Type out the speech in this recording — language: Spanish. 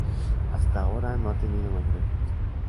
Hasta ahora no han tenido mayor efecto.